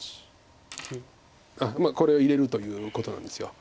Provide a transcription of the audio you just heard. あっこれを入れるということなんです。